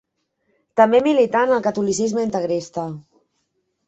També milità en el catolicisme integrista.